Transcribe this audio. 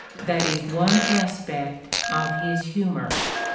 That is one aspect of his humor.